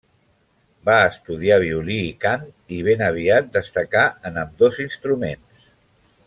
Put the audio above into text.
Va estudiar violí i cant i ben aviat destacà en ambdós instruments.